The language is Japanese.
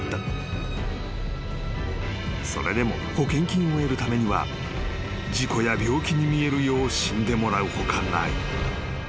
［それでも保険金を得るためには事故や病気に見えるよう死んでもらう他ない］